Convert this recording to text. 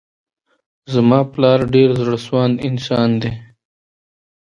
زما پلار ډير زړه سوانده انسان دی.